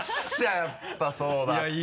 やっぱそうだった。